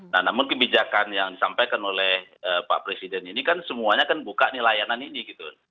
nah namun kebijakan yang disampaikan oleh pak presiden ini kan semuanya kan buka nih layanan ini gitu